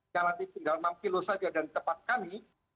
jalan ini tinggal enam kilo saja dan tepat kami